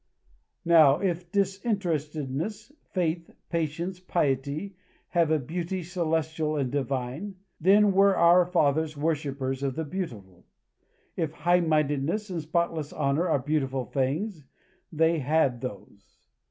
Now, if disinterestedness, faith, patience, piety, have a beauty celestial and divine, then were our fathers worshippers of the beautiful. If high mindedness and spotless honor are beautiful things, they had those.